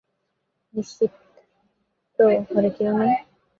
নিশ্চিত তো ঘরে কেউ নেই?